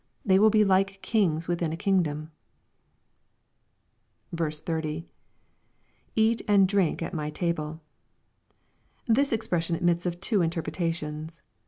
They will be Hke kings within a kingdom. 30. — [JEht and drink at my table.] This expression admits of two interpretations.